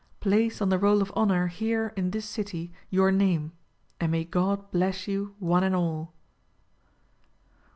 Place on the roll of honor, here, in this city, your name. And may God bless you one and all.